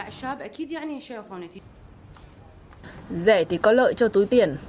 thảo dược này thì có lợi cho túi tiền